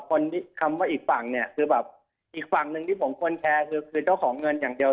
คนที่คำว่าอีกฝั่งอีกฝั่งหนึ่งที่ผมควรแชร์คือเจ้าของเงินอย่างเดียว